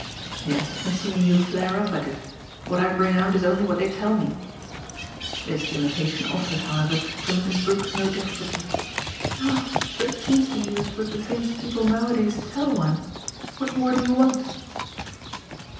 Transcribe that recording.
"Yes, and seeing you flare up at it. What I bring out is only what they tell me." This limitation offered, however, for Mrs. Brook no difficulty. "Ah but it seems to me that with the things people nowadays tell one ! What more do you want?"